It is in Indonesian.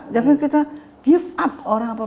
jangan kita give up orang apapun